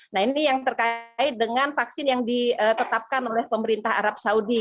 nah ini yang terkait dengan vaksin yang ditetapkan oleh pemerintah arab saudi